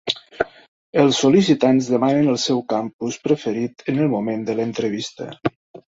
Els sol·licitants demanen el seu campus preferit en el moment de l'entrevista.